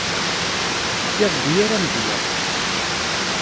Tefkiḍ-d yir amedya.